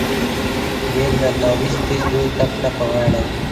ویل دا تعویذ دي زوی ته کړه په غاړه